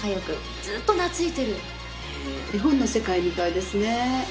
絵本の世界みたいですね。